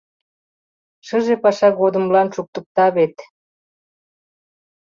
Шыже паша годымлан шуктыкта вет.